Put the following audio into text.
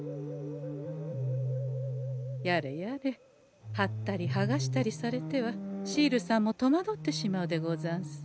やれやれはったりはがしたりされてはシールさんもとまどってしまうでござんす。